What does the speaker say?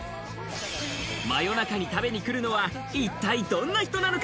真夜中に食べに来るのは一体どんな人なのか？